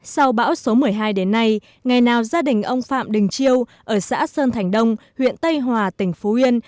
sau bão số một mươi hai đến nay ngày nào gia đình ông phạm đình chiêu ở xã sơn thành đông huyện tây hòa tỉnh phú yên